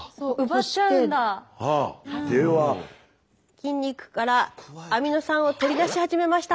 筋肉からアミノ酸を取り出し始めました。